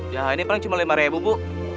ya ini paling cuma lima ribu bu